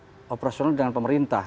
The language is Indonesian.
berkontrak operasional dengan pemerintah